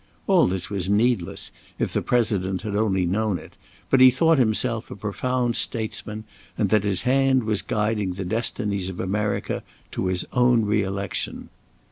All this was needless, if the President had only known it, but he thought himself a profound statesman, and that his hand was guiding the destinies of America to his own re election.